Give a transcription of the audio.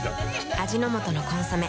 味の素の「コンソメ」